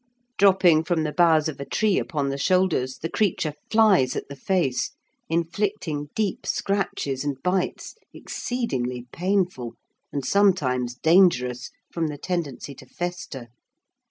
Dropping from the boughs of a tree upon the shoulders, the creature flies at the face, inflicting deep scratches and bites, exceedingly painful, and sometimes dangerous, from the tendency to fester.